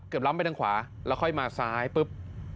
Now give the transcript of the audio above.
ล้ำไปทางขวาแล้วค่อยมาซ้ายปุ๊บ